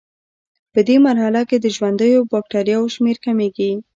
پدې مرحله کې د ژوندیو بکټریاوو شمېر کمیږي.